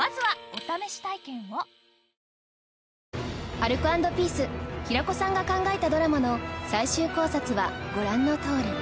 アルコ＆ピース平子さんが考えたドラマの最終考察はご覧のとおり